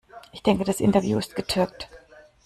Ich denke, das Interview ist getürkt.